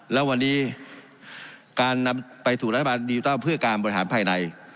แล้ววันนี้การนำไปสู่รัฐบาลดิจิทัลเพื่อการบริหารภายใน